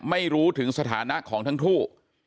ไม่รู้ถึงสถานะของทั้งคู่